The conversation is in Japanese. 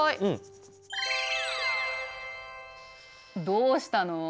どうしたの？